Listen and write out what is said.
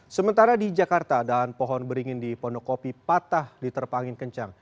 sementara di jakarta dahan pohon beringin di pondokopi patah diterpangin kencang